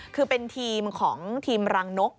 คือเป็นทีมของทีมรังนก